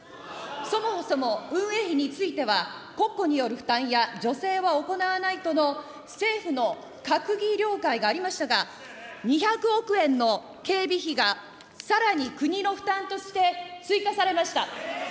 そもそも運営費については、国庫の負担や女性は行わないとの政府の閣議了解がありましたが、２００億円の警備費がさらに国の負担として追加されました。